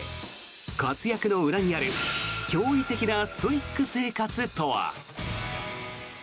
活躍の裏にある驚異的なストイック生活とは。